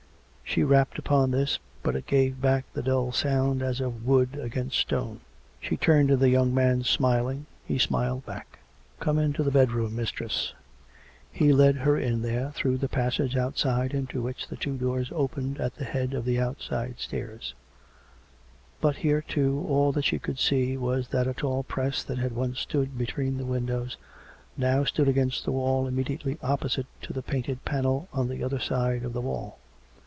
She rapped upon this, but it gave back the dull sound as of wood against stone. She turned to the young man, smiling. He smiled back. " Come into the bedroom, mistress." He led her in there, through the passage outside into 202 COME RACK! COME ROPE! which the two doors opened at the head of the outside stairs; but here, too^ all that she could see was that a tall press that had once stood between the windows now stood against the wall immediately opposite to the painted panel on the other side of the wall.